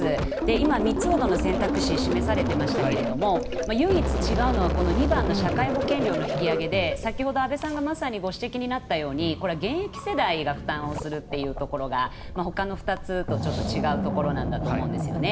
今、３つほどの選択肢が示されていましたが唯一違うのは２番の社会保険料の引き上げで先ほど安部さんがまさにご指摘になったようにこれは現役世代が負担をするというところがほかの２つとちょっと違うところなんだと思うんですね。